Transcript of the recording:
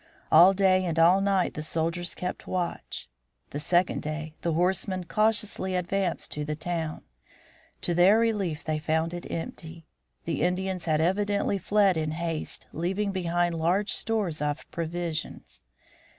All day and all night the soldiers kept watch. The second day, the horsemen cautiously advanced to the town. To their relief they found it empty. The Indians had evidently fled in haste, leaving behind large stores of provisions.